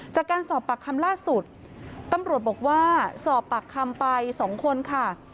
จากการสอบปากคำล่าสุดตำรวจบอกว่าสอบปากคำไป๒คนค่ะ